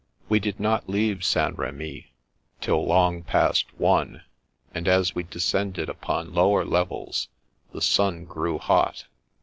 We did not leave St. Rhemy till long past one, and as we descended upon lower levels the sun grew hot.